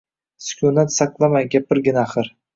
Sukunat saqlama gapirgin axir